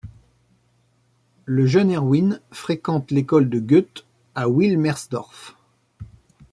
Le jeune Erwin fréquente l'école de Goethe à Wilmersdorf.